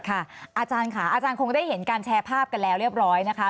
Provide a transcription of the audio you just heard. อาจารย์ค่ะอาจารย์คงได้เห็นการแชร์ภาพกันแล้วเรียบร้อยนะคะ